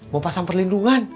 mau pasang perlindungan